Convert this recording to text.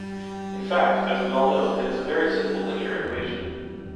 In fact, as we all know, it is a very simple linear equation.